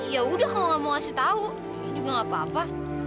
ya udah kalau nggak mau kasih tau juga nggak apa apa